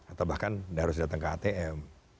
atau bahkan harus datang ke atm